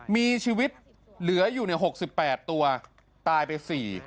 มีชีวิตเหลืออยู่๖๘ตัวตายไป๔